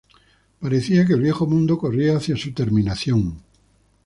Parecía que el viejo mundo corría hacia su terminación.